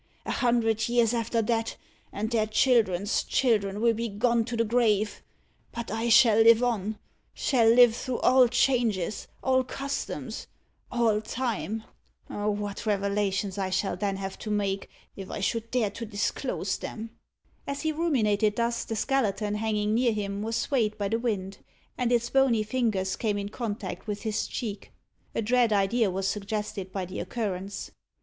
A hundred years after that, and their children's children will be gone to the grave. But I shall live on shall live through all changes all customs all time. What revelations I shall then have to make, if I should dare to disclose them!" As he ruminated thus, the skeleton hanging near him was swayed by the wind, and its bony fingers came in contact with his cheek. A dread idea was suggested by the occurrence.